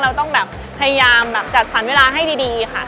เราต้องแบบพยายามแบบจัดสรรเวลาให้ดีค่ะ